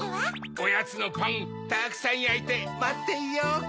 おやつのパンたくさんやいてまっていようか。